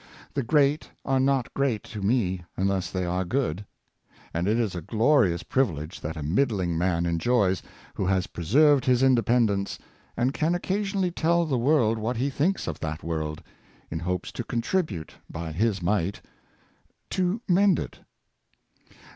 The great are not great to me unless they are good. And it is a glorious privilege that a middling man enjoys, who has preserved his independence, and can occasionally tell the world what he thinks of that world, in hopes to contribute, by his mite, to mend it."